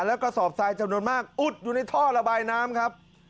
และกระสอบทรายจำนวนมากอุดอยู่ในท่อระบายน้ำครับ